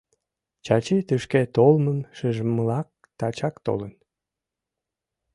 Чачи тышке толмым шижмылак, тачак толын.